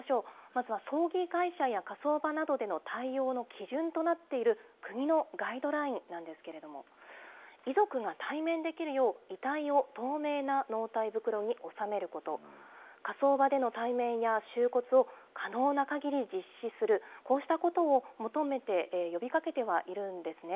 まずは葬儀会社や火葬場などでの対応の基準となっている国のガイドラインなんですけれども、遺族が対面できるよう、遺体を透明な納体袋に納めること、火葬場での対面や拾骨を可能なかぎり実施する、こうしたことを求めて、呼びかけてはいるんですね。